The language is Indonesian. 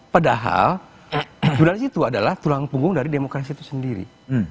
padahal ajudan itu adalah tulang punggung dari demokrasi itu sendiri